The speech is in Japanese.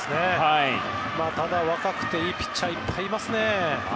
ただ若くていいピッチャーいっぱいいますね。